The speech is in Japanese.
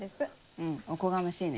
うんおこがましいね。